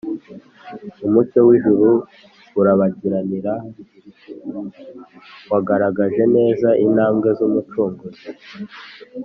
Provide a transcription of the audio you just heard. , umucyo w’ijuru urabagirana wagaragaje neza intambwe z’Umucunguzi